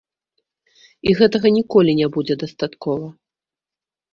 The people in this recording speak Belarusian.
І гэтага ніколі не будзе дастаткова.